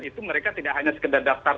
itu mereka tidak hanya sekedar daftar